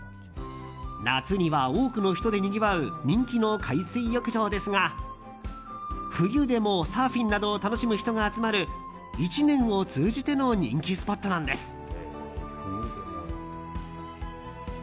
夏には多くの人でにぎわう人気の海水浴場ですが冬でもサーフィンなどを楽しむ人が集まる１年を通じての人気スポットなんです。